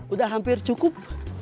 udah hampir cukup